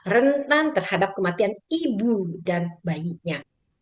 rentan terhadap kematian ibu dan bayinya